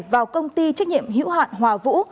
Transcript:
vào công ty trách nhiệm hữu hạn hòa vũ